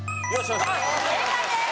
正解です。